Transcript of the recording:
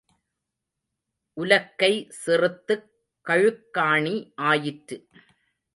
உலக்கை சிறுத்துக் கழுக்காணி ஆயிற்று.